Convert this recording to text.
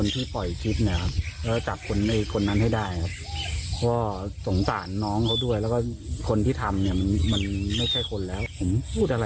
แต่เรายืนยันว่าเราไม่ทราบเหตุการณ์